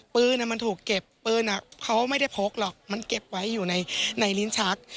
ปืนมันถูกเก็บปืนเขาไม่ได้พกหรอกมันเก็บไว้อยู่ในลิ้นชัก